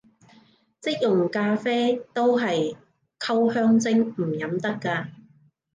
即溶咖啡都係溝香精，唔飲得咖